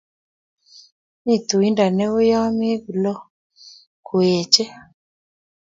Mito tuindo neoo ya meku loo kuechei